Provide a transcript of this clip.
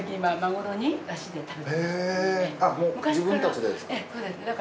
もう自分たちでですか？